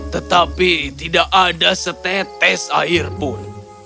tetapi tidak ada setetes air pun